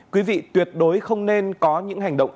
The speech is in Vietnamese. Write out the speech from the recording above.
quý vị tuyệt đối không nên có những hành động